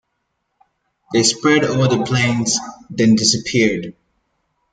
They spread over the plains, then disappeared.